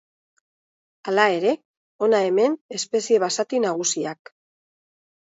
Hala ere, hona hemen espezie basati nagusiak.